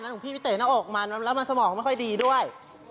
ของพี่ไปเตะหน้าอกมันแล้วมันสมองไม่ค่อยดีด้วย